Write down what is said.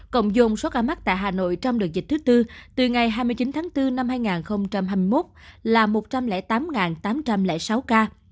cộng dồn số ca mắc tại hà nội trong đợt dịch thứ tư từ ngày hai mươi chín tháng bốn năm hai nghìn hai mươi một là một trăm linh tám tám trăm linh sáu ca